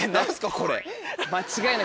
これ。